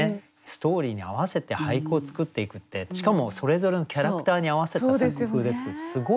ストーリーに合わせて俳句を作っていくってしかもそれぞれのキャラクターに合わせた作風で作るってすごいですよね。